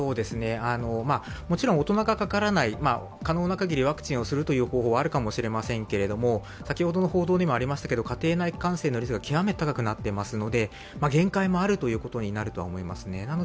もちろん大人がかからない、可能なかぎりワクチンをするという方法はあるかもしれませんが、家庭内感染のリスクは極めて高くなっていますので、限界もあるということになると思いますね。